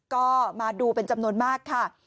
ก็มาดูเป็นจำนวนมากค่ะ